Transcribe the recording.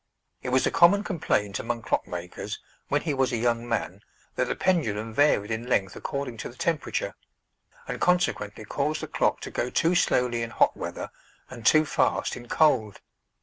It was a common complaint among clock makers, when he was a young man, that the pendulum varied in length according to the temperature, and consequently caused the clock to go too slowly in hot weather, and too fast in cold.